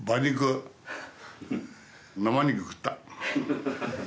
生肉食った。